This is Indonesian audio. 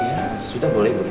ya sudah boleh boleh